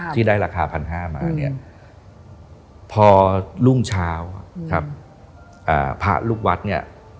ที่ได้ราคา๑๕๐๐มาเนี่ยพอรุ่งเช้าครับพระลูกวัดเนี่ย